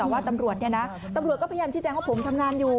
ว่าตำรวจก็พยายามชิดแจงว่าผมทำงานอยู่